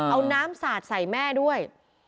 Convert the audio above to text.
เอาน้ำสาดใส่แม่ด้วย